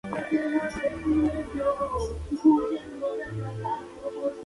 Las cataratas locales del Serio se consideran las segundas más altas de Italia.